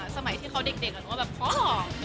สมัยที่เขาเด็กล่ะหนูว่าแบบพ่อออก